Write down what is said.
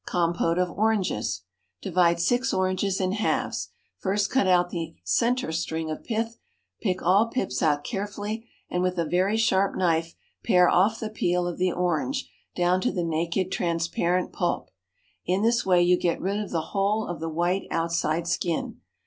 Compote of Oranges. Divide six oranges in halves; first cut out the centre string of pith, pick all pips out carefully, and with a very sharp knife pare off the peel of the orange down to the naked transparent pulp; in this way you get rid of the whole of the white outside skin.